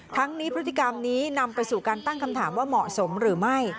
ทั้งนี้พฤติกรรมนี้นำไปสู่การตั้งคำถามว่าเหมาะสมหรือไม่